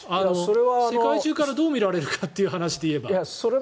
世界中からどう見られるかという話でいえば。